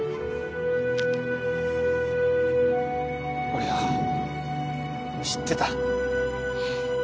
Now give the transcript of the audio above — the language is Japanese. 俺は知ってた。